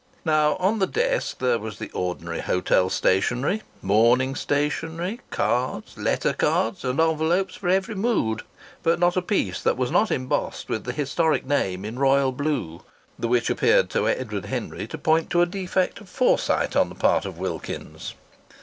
Now on the desk there was the ordinary hotel stationery, mourning stationery, cards, letter cards and envelopes for every mood; but not a piece that was not embossed with the historic name in royal blue. The which appeared to Edward Henry to point to a defect of foresight on the part of Wilkins's.